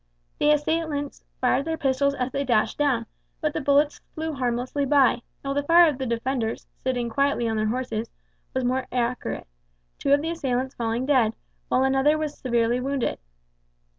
The assailants fired their pistols as they dashed down, but the bullets flew harmlessly by, while the fire of the defenders, sitting quietly on their horses, was more accurate, two of the assailants falling dead, while another was severely wounded.